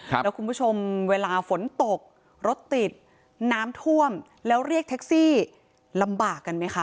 แล้วคุณผู้ชมเวลาฝนตกรถติดน้ำท่วมแล้วเรียกแท็กซี่ลำบากกันไหมคะ